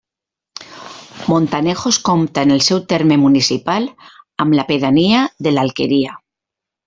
Montanejos compta en el seu terme municipal amb la pedania de l'Alqueria.